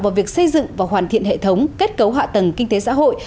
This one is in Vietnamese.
vào việc xây dựng và hoàn thiện hệ thống kết cấu hạ tầng kinh tế xã hội